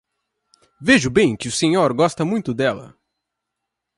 Vejo bem que o senhor gosta muito dela...